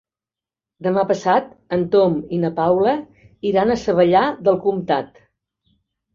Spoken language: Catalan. Demà passat en Tom i na Paula iran a Savallà del Comtat.